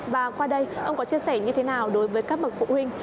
và qua đây ông có chia sẻ như thế nào đối với các bậc phụ huynh